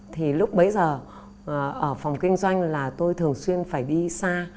thì lúc bấy giờ ở phòng kinh doanh là tôi thường xuyên phải đi xa